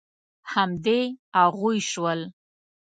همدې هغوی شول.